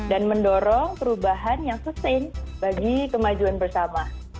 dan mendorong perubahan yang sustain bagi kemajuan bersama